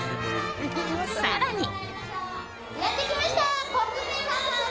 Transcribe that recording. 更に。